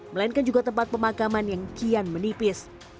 melainkan juga tempat pemakaman yang kian menipis